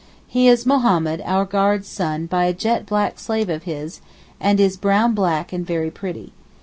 He is Mahommed our guard's son by a jet black slave of his and is brown black and very pretty.